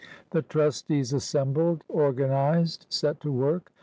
The trustees assembled, organized, set to work.